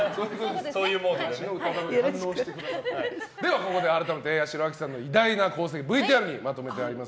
ここで改めて八代亜紀さんの偉大な功績をＶＴＲにまとめてあります。